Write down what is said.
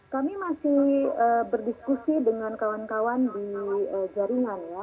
kami masih berdiskusi dengan kawan kawan di jaringan ya